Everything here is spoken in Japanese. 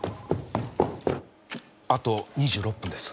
あと２６分です。